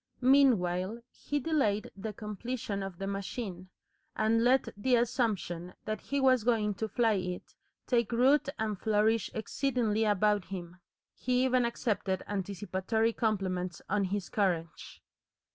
Meanwhile he delayed the completion of the machine, and let the assumption that he was going to fly it take root and flourish exceedingly about him. He even accepted anticipatory compliments on his courage.